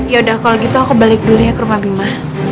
ya udah kalau gitu aku balik dulu ya ke rumah bima